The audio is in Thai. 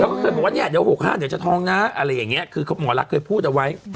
แล้วเขาก็บอกว่าเดี๋ยว๖๕เดี๋ยวจะท้องคือหมอลักษมณ์เคยพูดเอาไว้